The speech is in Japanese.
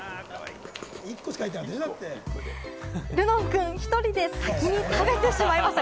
るのんくん、１人で先に食べてしまいました。